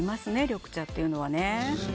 緑茶っていうのはね。